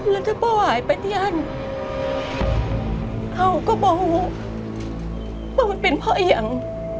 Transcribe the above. แล้วถ้าป้าหายไปที่อันเขาก็บอกว่ามันเป็นเพราะเอียง